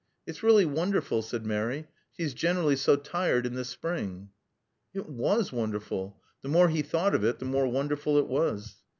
"It's really wonderful," said Mary. "She's generally so tired in the spring." It was wonderful. The more he thought of it the more wonderful it was.